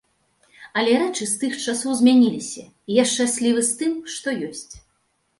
Але рэчы з тых часоў змяніліся, і я шчаслівы з тым, што ёсць.